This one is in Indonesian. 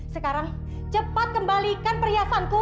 sekarang cepat kembalikan perhiasanku